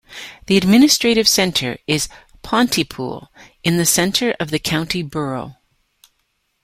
The administrative centre is Pontypool in the centre of the county borough.